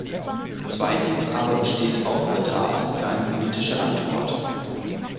Zweitens aber besteht auch Bedarf für eine politische Antwort.